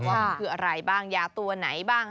ว่ามันคืออะไรบ้างยาตัวไหนบ้าง